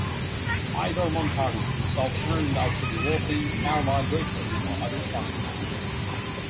Ivor Montagu himself turned out to be working, albeit briefly, for the other side.